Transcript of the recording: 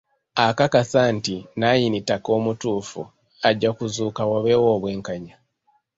Akakasa nti nnanyini ttaka omutuufu ajja kuzuuka wabeewo obwenkanya.